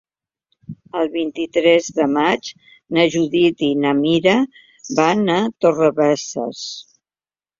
El vint-i-tres de maig na Judit i na Mira van a Torrebesses.